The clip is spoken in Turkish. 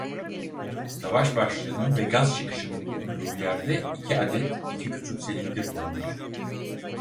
Savaş başlığının ve gaz çıkışının bulunduğu yerde iki adet iki küçük silindir bulunur.